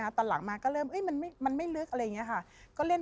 แล้วแบบคงไม่มีคนเห็น